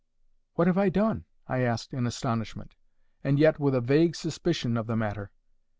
'What have I done?' I asked in astonishment, and yet with a vague suspicion of the matter.